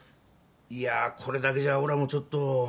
いやぁこれだけじゃあおらもちょっと。